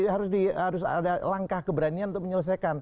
harus ada langkah keberanian untuk menyelesaikan